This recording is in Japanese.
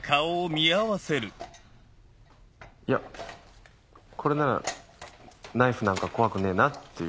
いやこれならナイフなんか怖くねえなっていう。